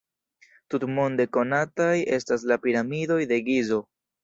Tutmonde konataj estas la Piramidoj de Gizo.